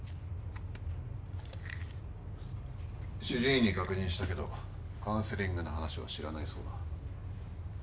主治医に確認したけどカウンセリングの話は知らないそうだ。